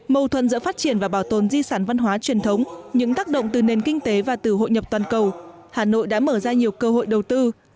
mâu thuẫn giữa phát triển và bảo tồn di sản văn hóa truyền thống những tác động từ nền kinh tế và từ hội nhập toàn cầu hà nội đã mở ra nhiều cơ hội đầu tư